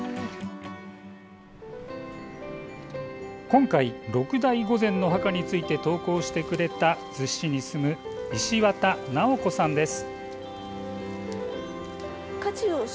今回六代御前の墓について投稿してくれた逗子市に住む石渡直子さんです。